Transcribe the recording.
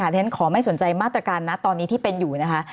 ฉันขอไม่สนใจมาตรการนะตอนนี้ที่เป็นอยู่นะคะ